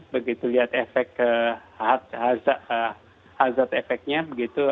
begitu lihat efek hazard efeknya begitu